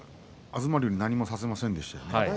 東龍に何もさせませんでした。